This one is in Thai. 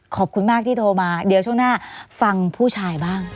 ขอบคุณมากที่โทรมาเดี๋ยวช่วงหน้าฟังผู้ชายบ้าง